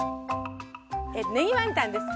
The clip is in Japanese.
ねぎワンタンです。